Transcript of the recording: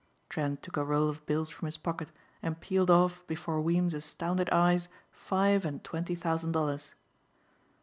Trent took a roll of bills from his pocket and peeled off before Weems' astounded eyes five and twenty thousand dollars.